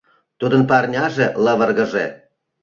Тудын парняже лывыргыже;